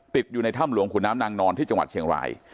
ติดอยู่ในถ้ำหลวงขุนน้ำนางนอนที่จังหวัดเชียงราย